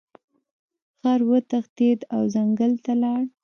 خر وتښتید او ځنګل ته لاړ.